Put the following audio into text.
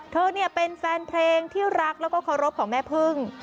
เธอเนี่ยเป็นแฟนเพลงที่รักแล้วก็เคารพของแม่พึ่ง